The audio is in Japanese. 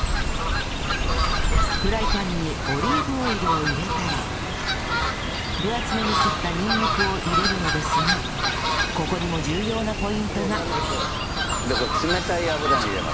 フライパンにオリーブオイルを入れたら分厚めに切ったにんにくを入れるのですがここにもでこれ冷たい油に入れます。